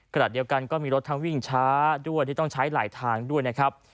ขณะเดียวกันก็มีรถทั้งวิ่งช้าด้วยที่ต้องใช้หลายทางด้วยนะครับ